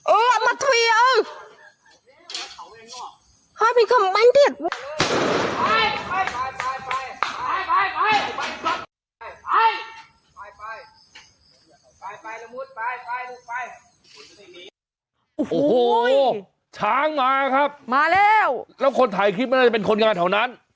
โอ้โหช้างมาครับมาแล้วแล้วคนถ่ายคลิปมันน่าจะเป็นคนงานแถวนั้น